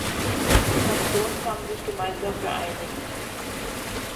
Die Fraktionen haben sich gemeinsam geeinigt.